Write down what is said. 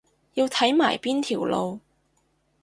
要睇埋邊條路